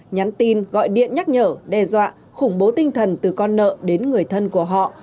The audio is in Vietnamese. nhắn tin gọi điện nhắc nhở đe dọa khủng bố tinh thần từ con nợ đến người thân của họ